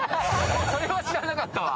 それは知らなかったわ！